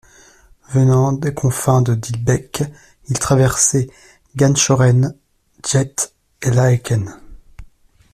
Venant des confins de Dilbeek, il traversait Ganshoren, Jette et Laeken.